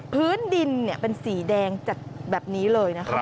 พื้นดินเป็นสีแดงจัดแบบนี้เลยนะคะ